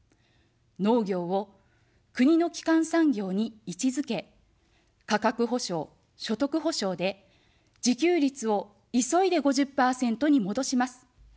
農業を国の基幹産業に位置づけ、価格補償、所得補償で自給率を急いで５０％に戻します。